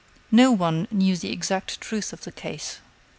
No one knew the exact truth of the case.